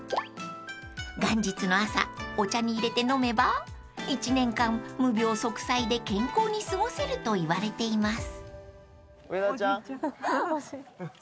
［元日の朝お茶に入れて飲めば１年間無病息災で健康に過ごせるといわれています］